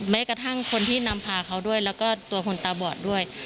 แม้กระทั่งคนที่นำพาเขาด้วยแล้วก็ตัวคนตาบอดด้วย